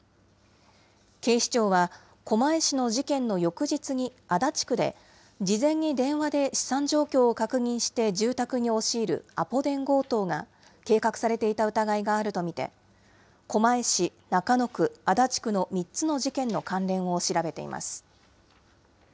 警視庁は、狛江市の事件の翌日に足立区で、事前に電話で資産状況を確認して住宅に押し入るアポ電強盗が計画されていた疑いがあると見て、狛江市、中野区、足立区の３つの事件の関連を調べています。